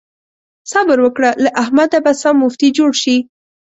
صبر وکړه؛ له احمده به سم مفتي جوړ شي.